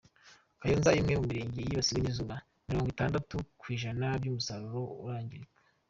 Kayonza Imwe mu mirenge yibasiwe n’izuba mirongwitandatu kw’ ijana by’umusaruro urangirika